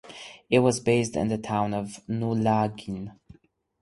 It was based in the town of Nullagine.